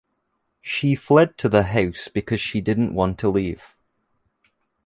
She fled to the house because she didn’t want to leave.